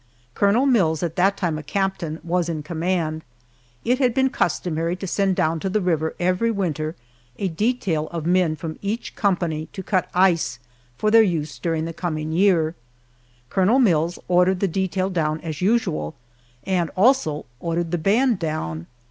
Colonel Mills, at that time a captain, was in command. It had been customary to send down to the river every winter a detail of men from each company to cut ice for their use during the coming year. Colonel Mills ordered the detail down as usual, and also ordered the band down.